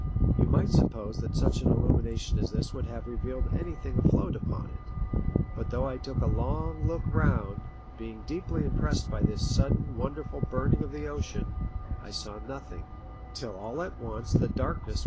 You might suppose that such an illumination as this would have revealed anything afloat upon it ; but though I took a long look round, being deeply impressed by this sudden, wonderful burning of the ocean, I saw nothing ; tiU all at once the darkness 68 PICTURES AT SEA.